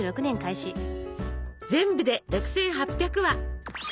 全部で６，８００話！